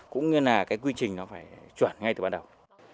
cũng như là cái quy trình nó phải chuẩn ngay từ ban đầu